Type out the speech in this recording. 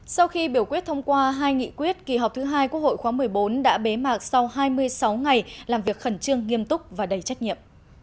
sau khi biểu quyết thông qua hai nghị quyết kỳ họp thứ hai quốc hội khóa một mươi bốn đã bế mạc sau hai mươi sáu ngày làm việc khẩn trương nghiêm túc và đầy trách nhiệm